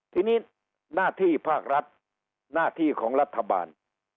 ทีนี้หน้าที่ภาครัฐหน้าที่ของรัฐบาล